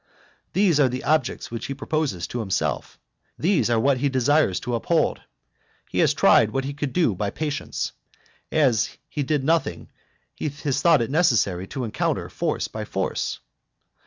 These are the objects which he proposes to himself, these are what he desires to uphold. He has tried what he could do by patience, as he did nothing he has thought it necessary to encounter force by force.